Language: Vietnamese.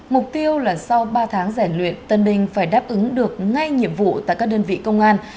mục tiêu là sau ba tháng rèn luyện tân binh phải đáp ứng được ngay nhiệm vụ tại các đơn vị công an